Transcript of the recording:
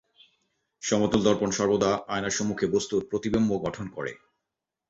সমতল দর্পণ সর্বদা আয়নার সম্মুখে বস্তুর প্রতিবিম্ব গঠন করে।